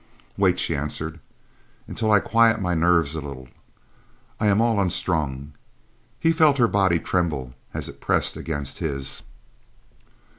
"Wait," she answered, "until I quiet my nerves a little. I am all unstrung." He felt her body tremble as it pressed against his.